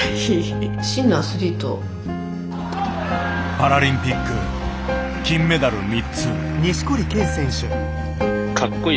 パラリンピック金メダル３つ。